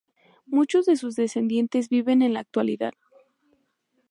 Muchos de sus descendientes viven en la actualidad.